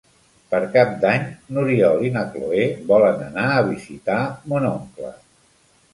Per Cap d'Any n'Oriol i na Cloè volen anar a visitar mon oncle.